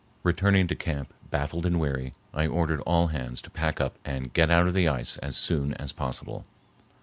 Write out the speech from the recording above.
Returning to camp baffled and weary, I ordered all hands to pack up and get out of the ice as soon as possible.